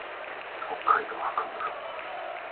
北海道泊村